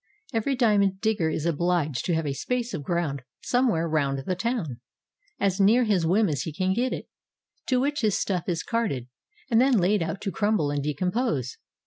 Every diamond digger is obliged to have a space of ground somewhere round the town, — as near his whim as he can get it, — to which his stuff is carted and then laid out to crumble and decompose.